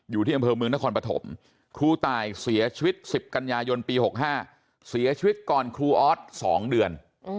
อยู่ที่อำเภอเมืองนครปฐมครูตายเสียชีวิต๑๐กันยายนปี๖๕เสียชีวิตก่อนครูออส๒เดือน